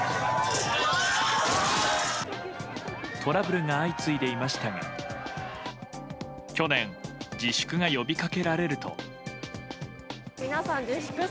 トラブルが相次いでいましたが去年、自粛が呼び掛けられると。